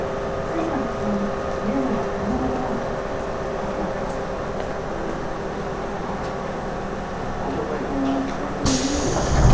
ありがとうありがとうここ最近は随分いいようです